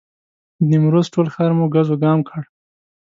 د نیمروز ټول ښار مو ګز وګام کړ.